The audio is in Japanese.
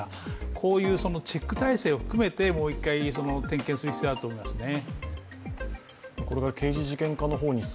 こういうチェック体制を含めてもう一回点検する必要があると思いますね。